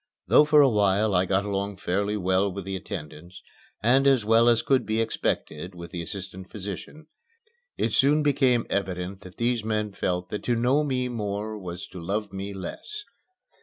Though for a while I got along fairly well with the attendants and as well as could be expected with the assistant physician, it soon became evident that these men felt that to know me more was to love me less.